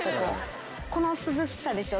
この涼しさでしょ